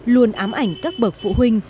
luôn ám ảnh các bậc phụ huynh